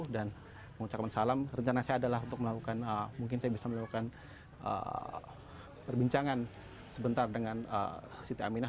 dan mengucapkan salam rencana saya adalah untuk melakukan mungkin saya bisa melakukan perbincangan sebentar dengan siti aminah